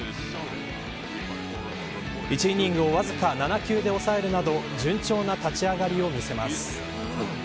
１イニングをわずか７球で抑えるなど順調な立ち上がりを見せます。